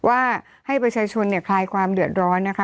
ว่าให้ประชาชนเนี่ยคลายความเดือดร้อนนะคะ